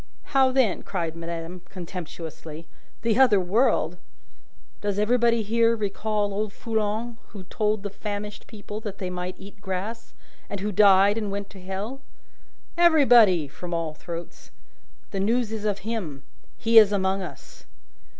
"How, then?" cried madame, contemptuously. "The other world?" "Does everybody here recall old Foulon, who told the famished people that they might eat grass, and who died, and went to Hell?" "Everybody!" from all throats. "The news is of him. He is among us!"